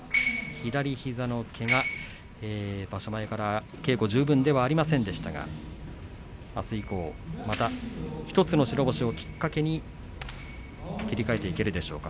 左膝のけが、場所前から稽古十分ではありませんでしたがあす以降、また１つの白星をきっかけに切り替えていけるでしょうか。